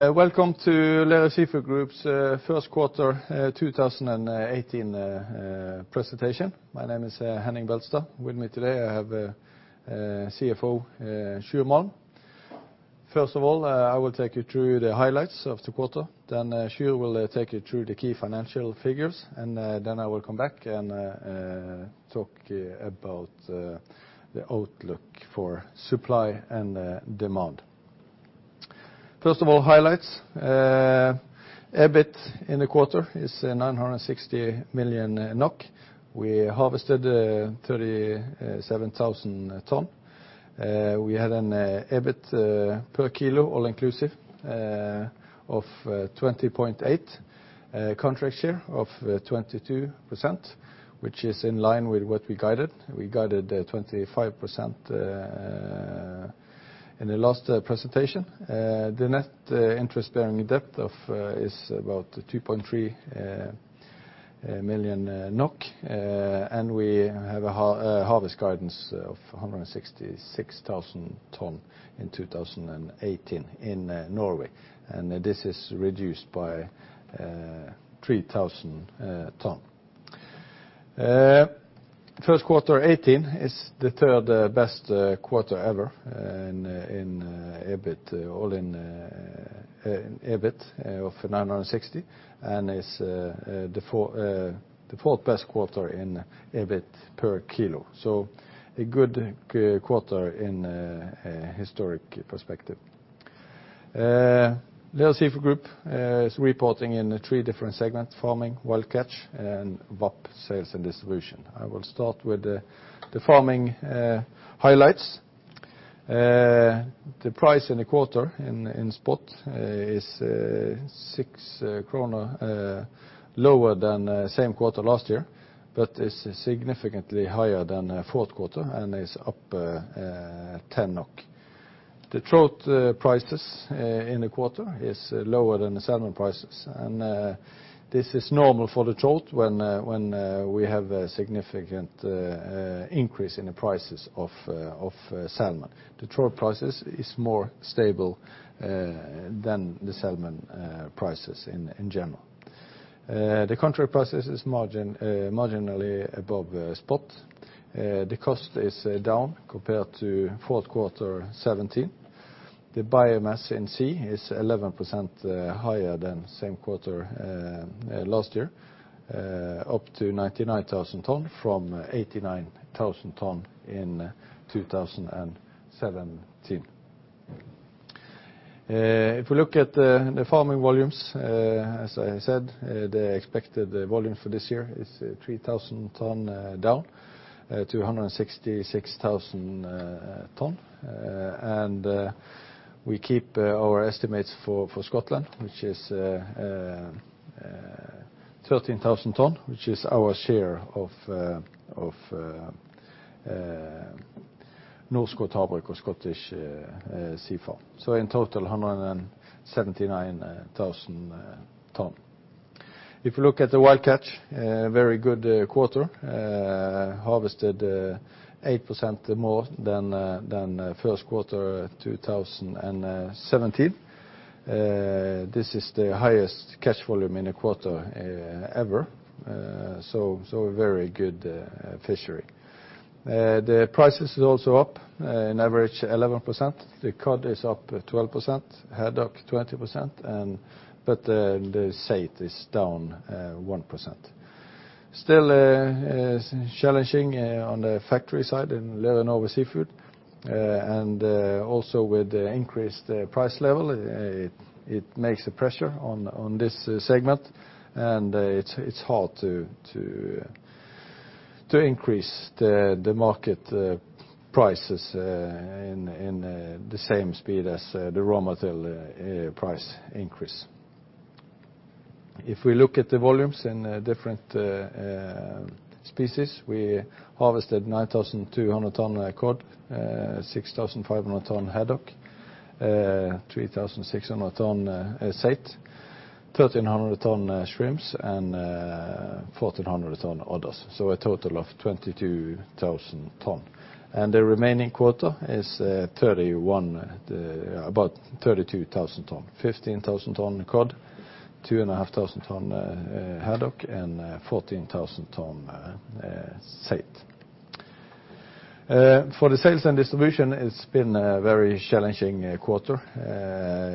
Welcome to Lerøy Seafood Group's first quarter 2018 presentation. My name is Henning Beltestad. With me today, I have CFO Sjur Malm. First of all, I will take you through the highlights of the quarter, then Sjur will take you through the key financial figures. I will come back and talk about the outlook for supply and demand. Highlights. EBIT in the quarter is 960 million NOK. We harvested 37,000 tonnes. We had an EBIT per kilo, all inclusive, of 20.8. Contract share of 22%, which is in line with what we guided. We guided 25% in the last presentation. The net interest-bearing debt is about 2.3 million NOK, and we have a harvest guidance of 166,000 tonnes in 2018 in Norway. This is reduced by 3,000 tonnes. First quarter 2018 is the third-best quarter ever in EBIT of 960 and is the fourth best quarter in EBIT per kilo. A good quarter in a historic perspective. Lerøy Seafood Group is reporting in three different segments: Farming, Wild Catch, and VAP, Sales and Distribution. I will start with the Farming highlights. The price in the quarter in spot is 6 krone lower than the same quarter last year, but is significantly higher than the fourth quarter and is up 10 NOK. The trout prices in the quarter is lower than the salmon prices, and this is normal for the trout when we have a significant increase in the prices of salmon. The trout prices is more stable than the salmon prices in general. The contract prices is marginally above spot. The cost is down compared to fourth quarter 2017. The biomass in sea is 11% higher than the same quarter last year, up to 99,000 tonnes from 89,000 tonnes in 2017. You look at the farming volumes, as I said, the expected volume for this year is 3,000 tonnes down to 166,000 tonnes. We keep our estimates for Scotland, which is 13,000 tonnes, which is our share of Norskott Havbruk and Scottish Sea Farms. In total, 179,000 tonnes. You look at the Wild Catch, a very good quarter. Harvested 8% more than first quarter 2017. This is the highest catch volume in a quarter ever, so a very good fishery. The prices is also up an average of 11%. The cod is up 12%, haddock 20%, the saithe is down 1%. Still challenging on the factory side in Lerøy Seafood. Also with the increased price level, it makes a pressure on this segment. It's hard to increase the market prices in the same speed as the raw material price increase. If we look at the volumes in different species, we harvested 9,200 tonnes of cod, 6,500 tonnes haddock, 3,600 tonnes saithe, 1,300 tonnes shrimps, and 1,400 tonnes others. A total of 22,000 tonnes. The remaining quarter is about 32,000 tonnes, 15,000 tonnes cod, 2,500 tonnes haddock, and 14,000 tonnes saithe. For the Sales and Distribution, it's been a very challenging quarter.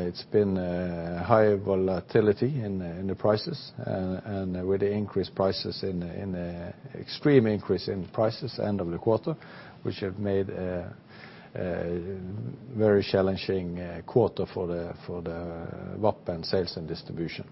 It's been high volatility in the prices and with the Extreme increase in prices end of the quarter, which have made a very challenging quarter for the VAP and Sales and Distribution.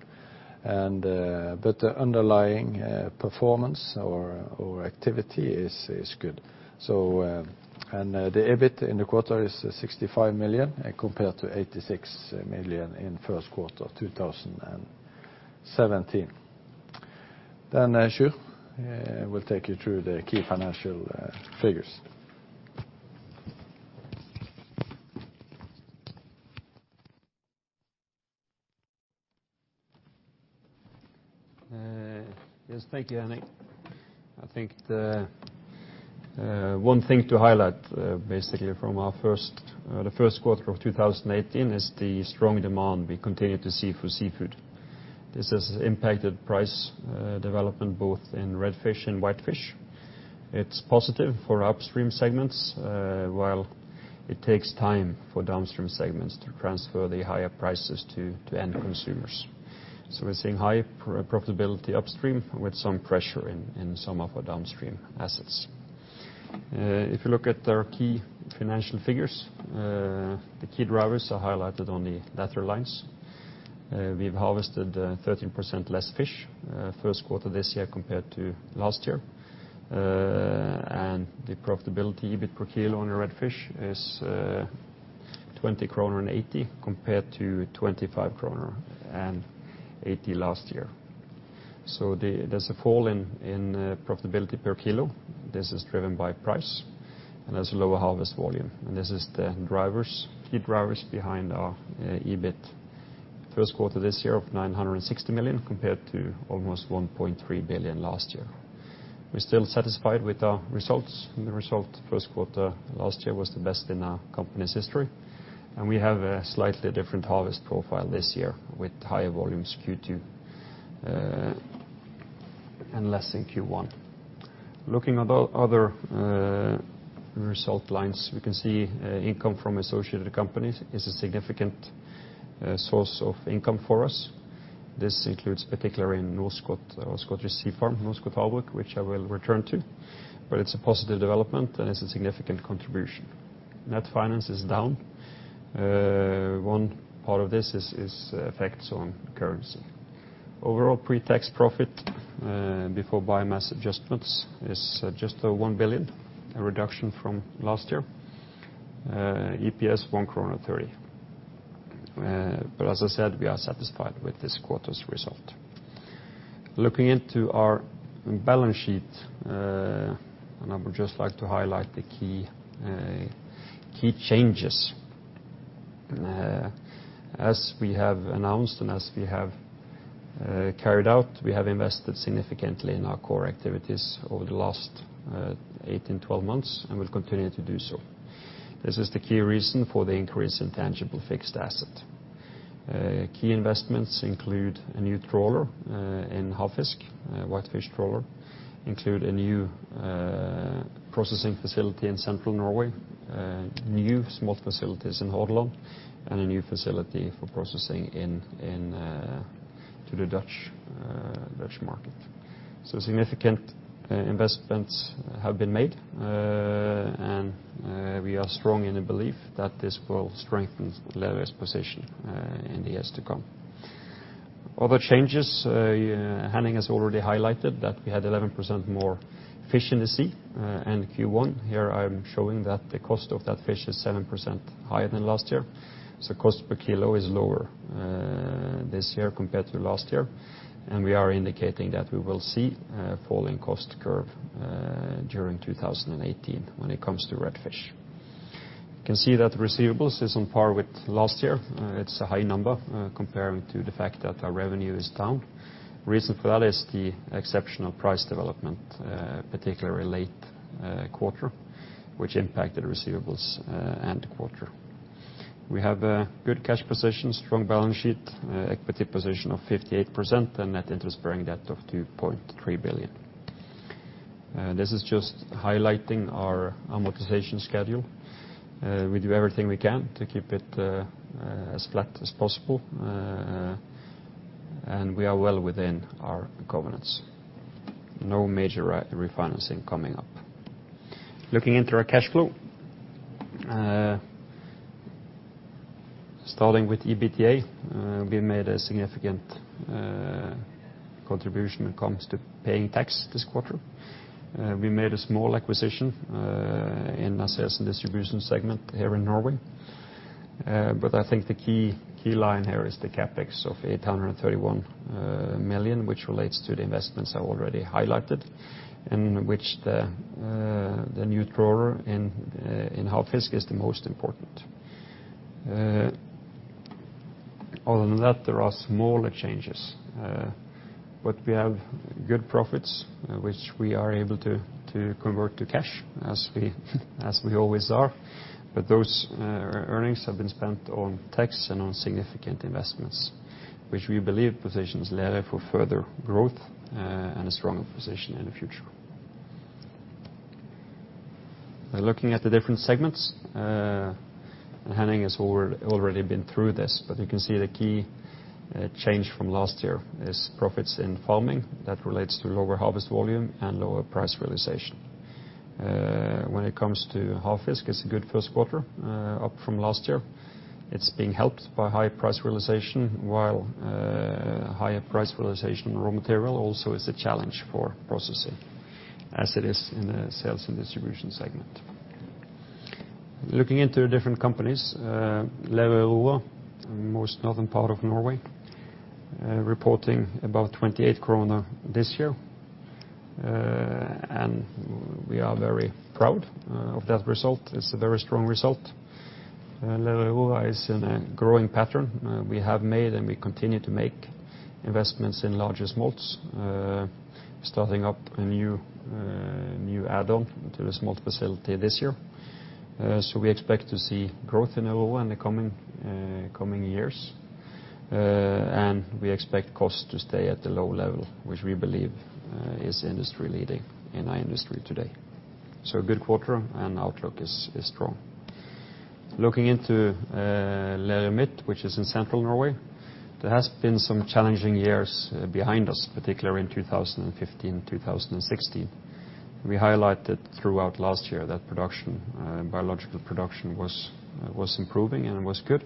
The underlying performance or activity is good. The EBIT in the quarter is 65 million compared to 86 million in first quarter 2017. Sjur will take you through the key financial figures. Yes. Thank you, Henning. I think one thing to highlight, basically from the first quarter of 2018 is the strong demand we continue to see for seafood. This has impacted price development both in redfish and whitefish. It's positive for upstream segments, while it takes time for downstream segments to transfer the higher prices to the end consumers. We're seeing high profitability upstream with some pressure in some of our downstream assets. If you look at their key financial figures, the key drivers are highlighted on the latter lines. We've harvested 13% less fish, first quarter of this year compared to last year. The profitability per kilo on the redfish is NOK 20.80, compared to 25.80 kroner last year. There's a fall in profitability per kilo. This is driven by price, and there's a lower harvest volume. This is the key drivers behind our EBIT first quarter this year of 960 million, compared to almost 1.3 billion last year. We're still satisfied with our results. The result first quarter last year was the best in our company's history, and we have a slightly different harvest profile this year with high volumes Q2, and less in Q1. Looking at other result lines, we can see income from associated companies is a significant source of income for us. This includes particularly in Scottish Sea Farms, which I will return to, but it's a positive development and it's a significant contribution. Net finance is down. One part of this is effects on currency. Overall pre-tax profit before biomass adjustments is just 1 billion, a reduction from last year. EPS, 1.30 krone. As I said, we are satisfied with this quarter's result. Looking into our balance sheet, I would just like to highlight the key changes. As we have announced, as we have carried out, we have invested significantly in our core activities over the last 18 months to 12 months, we continue to do so. This is the key reason for the increase in tangible fixed asset. Key investments include a new trawler in Havfisk, a whitefish trawler, include a new processing facility in central Norway, new smolt facilities in Hordaland, a new facility for processing to the Dutch market. Significant investments have been made, we are strong in the belief that this will strengthen Lerøy's position in the years to come. Other changes, Henning has already highlighted that we had 11% more fish in the sea in Q1. Here, I'm showing that the cost of that fish is 7% higher than last year, so cost per kilo is lower this year compared to last year. We are indicating that we will see a falling cost curve, during 2018 when it comes to redfish. You can see that receivables is on par with last year. It's a high number comparing to the fact that our revenue is down. The reason for that is the exceptional price development, particularly late quarter, which impacted receivables and quarter. We have a good cash position, strong balance sheet, equity position of 58%, and net interest bearing debt of 2.3 billion. This is just highlighting our amortization schedule. We do everything we can to keep it as flat as possible. We are well within our governance. No major refinancing coming up. Looking into our cash flow. Starting with EBITDA, we made a significant contribution when it comes to paying tax this quarter. We made a small acquisition in Sales and Distribution segment here in Norway. I think the key line here is the CapEx of 831 million, which relates to the investments I already highlighted, in which the new trawler in Havfisk is the most important. Other than that, there are smaller changes. We have good profits, which we are able to convert to cash as we always are. Those earnings have been spent on tax and on significant investments, which we believe positions Lerøy for further growth and a stronger position in the future. Now looking at the different segments. Henning has already been through this, but you can see the key change from last year is profits in farming that relates to lower harvest volume and lower price realization. When it comes to Havfisk, it's a good first quarter, up from last year. It's being helped by high price realization, while higher price realization raw material also is a challenge for processing, as it is in the Sales and Distribution segment. Looking into the different companies, Lerøy Aurora, in the most northern part of Norway, reporting about 28 this year. We are very proud of that result. It's a very strong result. Lerøy Aurora is in a growing pattern. We have made and we continue to make investments in larger smolts, starting up a new add-on to the smolt facility this year. We expect to see growth in Aurora in the coming years. We expect costs to stay at the low level, which we believe is industry-leading in our industry today. A good quarter and outlook is strong. Looking into Lerøy Midt, which is in central Norway, there has been some challenging years behind us, particularly in 2015, 2016. We highlighted throughout last year that biological production was improving and was good,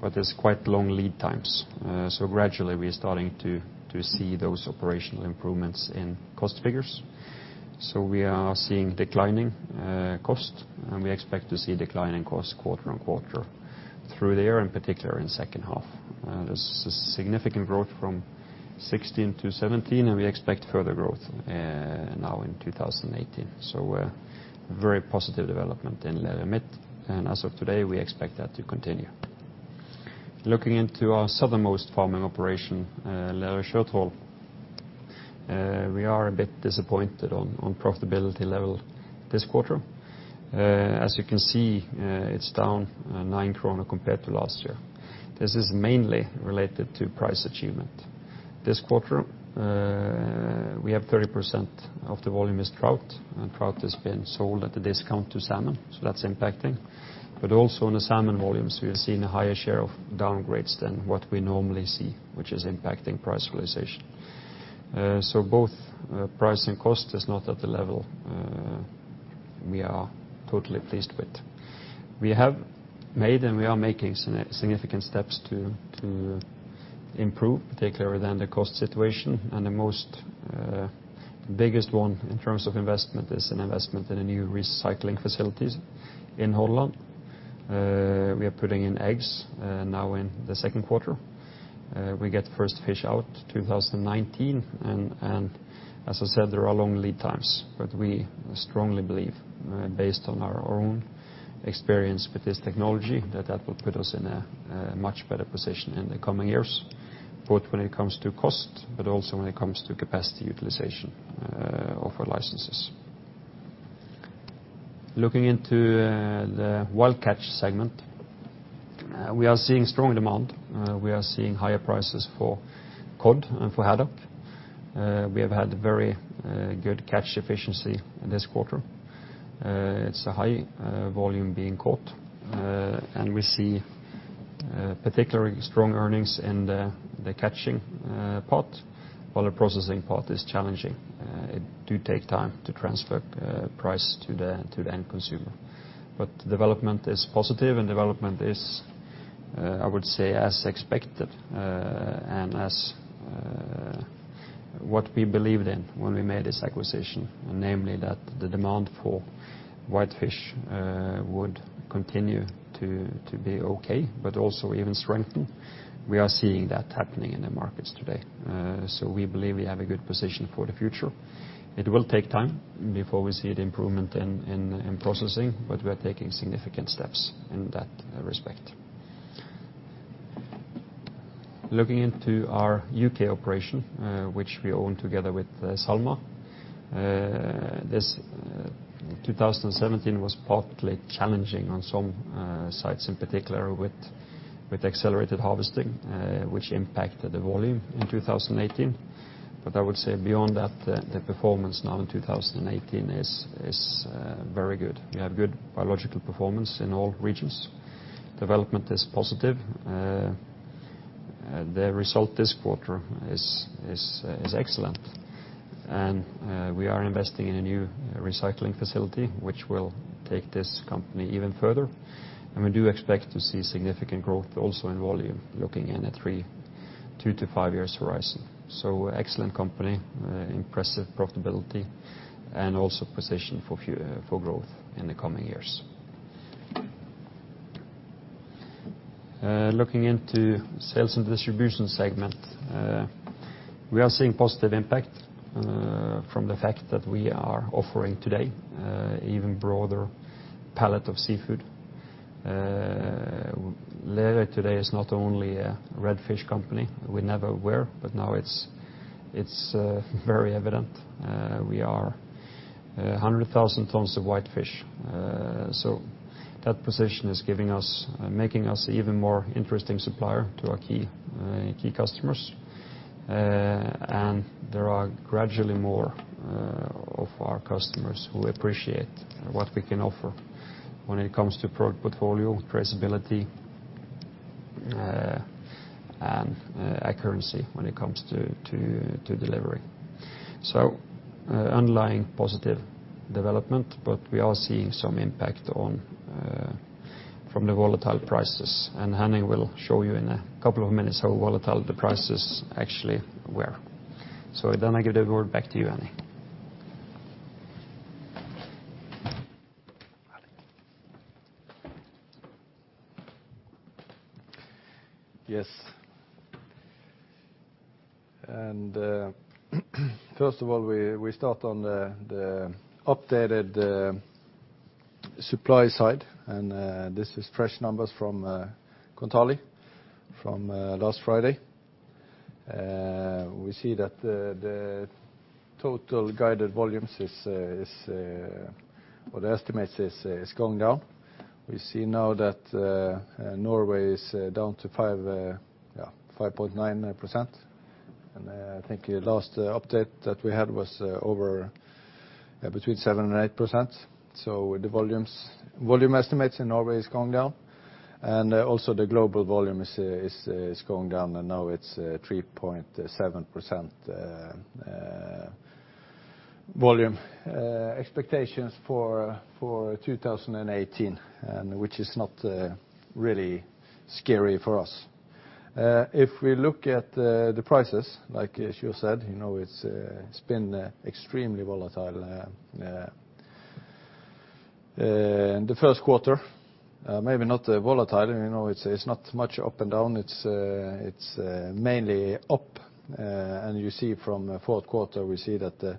but there's quite long lead times. Gradually we're starting to see those operational improvements in cost figures. We are seeing declining cost, and we expect to see declining cost quarter-on-quarter through the year, and particularly in the second half. This is a significant growth from 2016 to 2017, and we expect further growth now in 2018. A very positive development in Lerøy Midt, and as of today, we expect that to continue. Looking into our southernmost farming operation, Lerøy Sjøtroll, we are a bit disappointed on profitability level this quarter. As you can see, it's down 9 krone compared to last year. This is mainly related to price achievement. This quarter, we have 30% of the volume is trout, and trout has been sold at a discount to salmon, that's impacting. Also in the salmon volumes, we've seen a higher share of downgrades than what we normally see, which is impacting price realization. Both price and cost is not at the level we are totally pleased with. We have made and we are making significant steps to improve, particularly the cost situation. The biggest one in terms of investment is an investment in a new recirculating facilities in Hordaland. We are putting in eggs now in the second quarter. We get first fish out 2019, and as I said, there are long lead times, but we strongly believe, based on our own experience with this technology, that that will put us in a much better position in the coming years, both when it comes to cost, but also when it comes to capacity utilization of our licenses. Looking into the whitefish segment, we are seeing strong demand. We are seeing higher prices for cod and for haddock. We have had very good catch efficiency this quarter. It's a high volume being caught, and we see particularly strong earnings in the catching part, while the processing part is challenging. It do take time to transfer price to the end consumer. The development is positive, and development is, I would say, as expected and as what we believed in when we made this acquisition, namely that the demand for whitefish would continue to be okay, but also even strengthen. We are seeing that happening in the markets today. We believe we have a good position for the future. It will take time before we see the improvement in processing, but we're taking significant steps in that respect. Looking into our U.K. operation, which we own together with SalMar. 2017 was partly challenging on some sites, in particular with accelerated harvesting, which impacted the volume in 2018. I would say beyond that, the performance now in 2018 is very good. We have good biological performance in all regions. Development is positive. The result this quarter is excellent, and we are investing in a new recirculating facility, which will take this company even further. We do expect to see significant growth also in volume looking in a two to five years horizon. Excellent company, impressive profitability, and also positioned for growth in the coming years. Looking into Sales and Distribution segment, we are seeing positive impact from the fact that we are offering today an even broader palette of seafood. Lerøy today is not only a redfish company, we never were, but now it's very evident. We are 100,000 tons of whitefish. That position is making us an even more interesting supplier to our key customers. There are gradually more of our customers who appreciate what we can offer when it comes to product portfolio, traceability, and accuracy when it comes to delivery. Underlying positive development, but we are seeing some impact from the volatile prices. Henning will show you in a couple of minutes how volatile the prices actually were. I give the word back to you, Henning. Yes. First of all, we start on the updated supply side. These are fresh numbers from Kontali from last Friday. We see that the total guided volumes or the estimate is going down. We see now that Norway is down to 5.99%. I think the last update that we had was between 7% and 8%. The volume estimate in Norway is going down, and also the global volume is going down, and now it's 3.7% volume expectations for 2018, which is not really scary for us. If we look at the prices, like you said, it's been extremely volatile. In the first quarter, maybe not that volatile. It's not much up and down. It's mainly up. You see from the fourth quarter, we see that the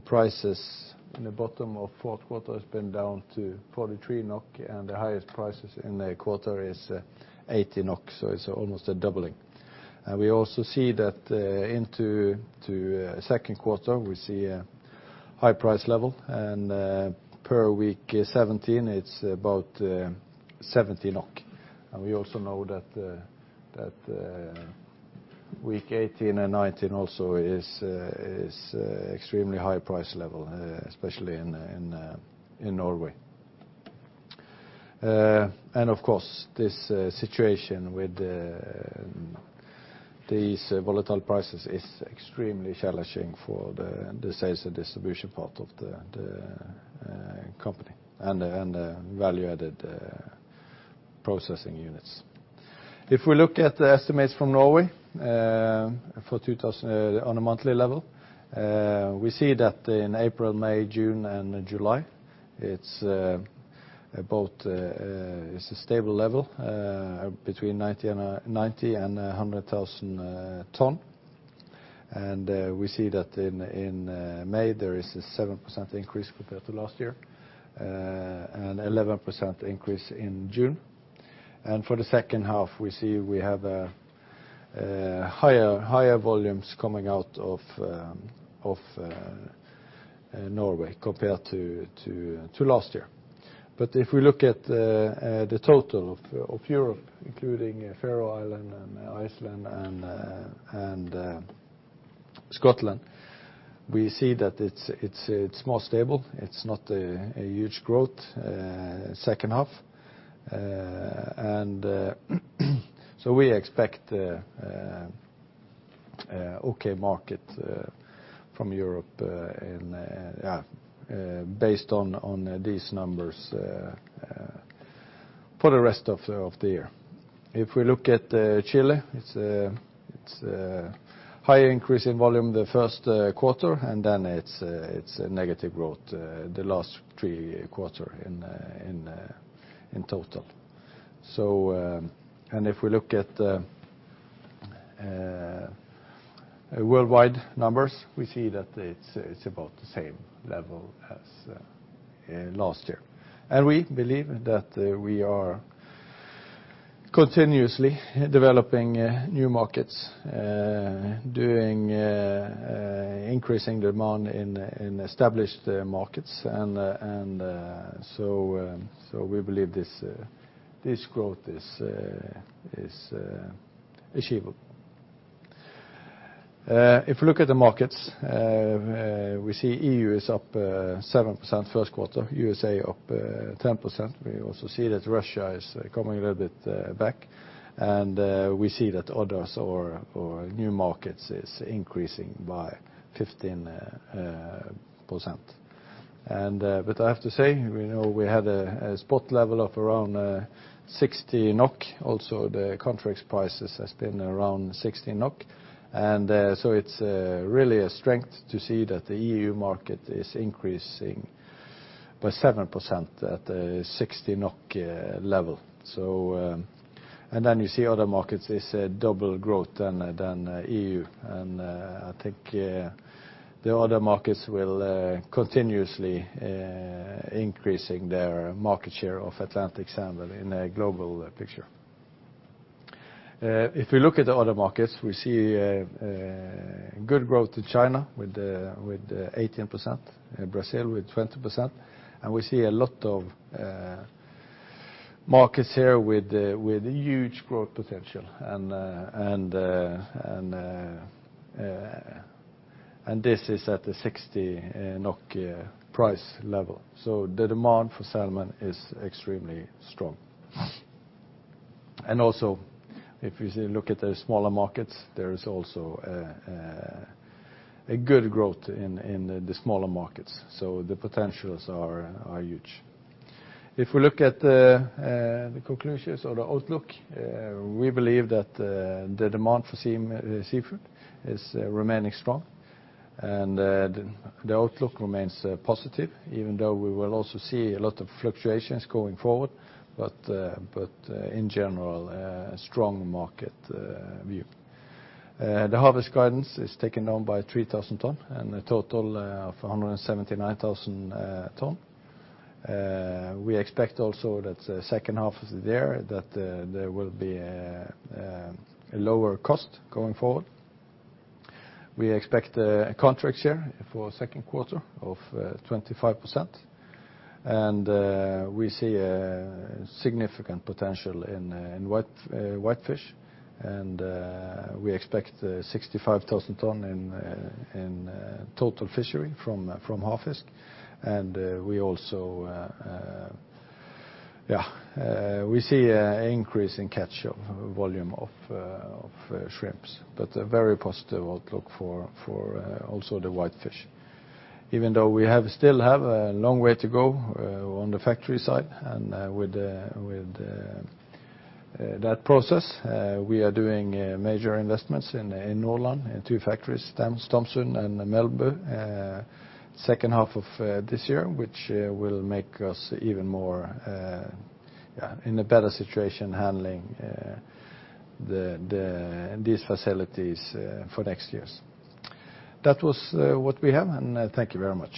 prices in the bottom of fourth quarter has been down to 43 NOK, and the highest prices in the quarter is 80 NOK. It's almost doubling. We also see that into second quarter, we see a high price level. Per week 17, it's about 70 NOK. We also know that week 18 and 19 also is extremely high price level, especially in Norway. Of course, this situation with these volatile prices is extremely challenging for the Sales and Distribution part of the company and the value-added processing units. If we look at the estimates from Norway on a monthly level, we see that in April, May, June, and July, it's a stable level between 90,000 ton and 100,000 ton. We see that in May, there is a 7% increase compared to last year, and 11% increase in June. For the second half, we see we have higher volumes coming out of Norway compared to last year. If we look at the total of Europe, including Faroe Islands and Iceland and Scotland, we see that it's more stable. It's not a huge growth second half. We expect an okay market from Europe based on these numbers for the rest of the year. If we look at Chile, it's a high increase in volume the first quarter, and then it's a negative growth the last three quarters in total. If we look at worldwide numbers, we see that it's about the same level as last year. We believe that we are continuously developing new markets, increasing demand in established markets. We believe this growth is achievable. If you look at the markets, we see EU is up 7% first quarter, USA up 10%. We also see that Russia is coming a little bit back, and we see that others or new markets is increasing by 15%. I have to say, we had a spot level of around 60 NOK. Also, the contract prices has been around 60 NOK. It's really a strength to see that the EU market is increasing by 7% at the 60 NOK level. You see other markets is double growth than EU. I think the other markets will continuously increasing their market share of Atlantic salmon in a global picture. If we look at the other markets, we see a good growth to China with 18%, in Brazil with 20%. We see a lot of markets here with huge growth potential. This is at the 60 NOK price level. The demand for salmon is extremely strong. Also, if you look at the smaller markets, there is also a good growth in the smaller markets. The potentials are huge. If we look at the conclusions or the outlook, we believe that the demand for seafood is remaining strong and the outlook remains positive, even though we will also see a lot of fluctuations going forward. In general, a strong market view. The harvest guidance is taken down by 3,000 ton and a total of 179,000 ton. We expect also that the second half of the year that there will be a lower cost going forward. We expect a contract share for second quarter of 25%. We see a significant potential in whitefish. We expect 65,000 tons in total fishery from Havfisk. We also see an increase in catch volume of shrimps. A very positive outlook for also the whitefish. Even though we still have a long way to go on the factory side and with that process, we are doing major investments in Nordland, in two factories, Stamsund and Melbu, second half of this year, which will make us even more in a better situation handling these facilities for next year's. That was what we have. Thank you very much.